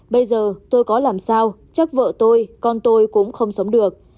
bây giờ tôi có làm sao chắc vợ tôi con tôi cũng không sống được